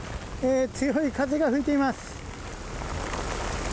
強い風が吹いています。